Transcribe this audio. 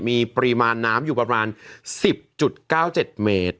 มีปริมาณน้ำอยู่ประมาณ๑๐๙๗เมตร